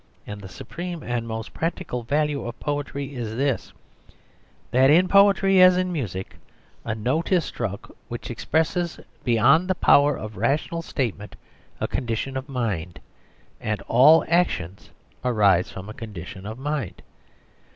And the supreme and most practical value of poetry is this, that in poetry, as in music, a note is struck which expresses beyond the power of rational statement a condition of mind, and all actions arise from a condition of mind.